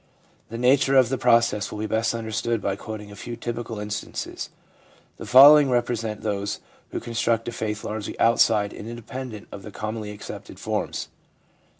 The nature of the process will be best understood by quoting a few typical instances. The following represent those who construct a faith largely outside and inde pendent of the commonly accepted forms: F.